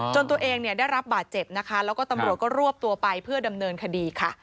จนตัวเองได้รับบาดเจ็บแล้วก็ตำรวจรวบตัวไปเพื่อดำเนินคดี